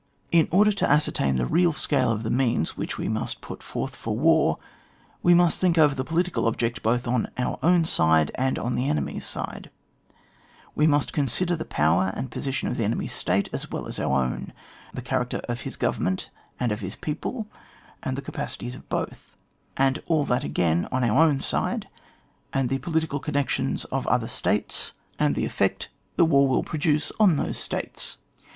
In order to ascertain the real scale of the means which we must put forth for war, we must think over the political object both on our own side and on the enemy's side ; we must consider the power and position of the enemy*s state as well as of our own, the character of his government and of his people, and the capacities of both, and all that again on our own side, and the political connec tions of other states, and the effect which CHAP, m] . OP THE MAGNITUDE OF TSE OBJECT^ ETC. 49r thewarwillproduceonihoBeStates.